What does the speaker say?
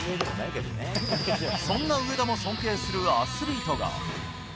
そんな上田も尊敬するアスリートが。